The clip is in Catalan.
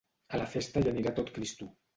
A la festa hi anirà tot Cristo.